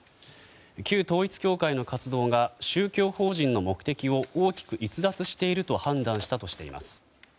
旧統一教会の活動が宗教法人の目的を大きく逸脱していると判断したとしています。